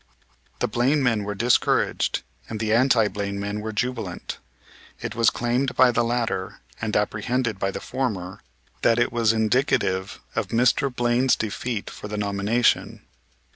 The Blaine men were discouraged and the anti Blaine men were jubilant. It was claimed by the latter, and apprehended by the former, that it was indicative of Mr. Blaine's defeat for the nomination.